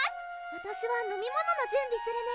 わたしは飲み物の準備するね